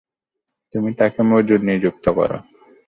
তুমি তাকে মজুর নিযুক্ত কর।